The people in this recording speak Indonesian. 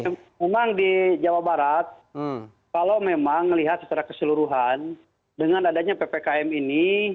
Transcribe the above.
memang di jawa barat kalau memang melihat secara keseluruhan dengan adanya ppkm ini